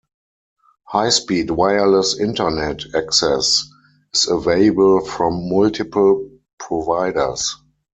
High speed wireless Internet access is available from multiple providers.